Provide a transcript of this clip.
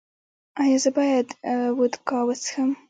ایا زه باید وودکا وڅښم؟